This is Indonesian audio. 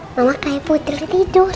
mama kayak puter tidur